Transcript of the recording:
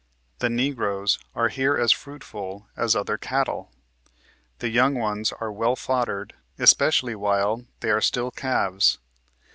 The Negroes are here as fruitful as other cattle. The young ones are well foddered, especially while they are still calves.